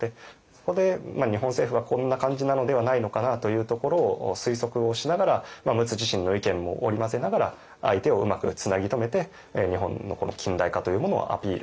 そこで日本政府はこんな感じなのではないのかな？というところを推測をしながら陸奥自身の意見も織り交ぜながら相手をうまくつなぎ止めて日本の近代化というものをアピールする。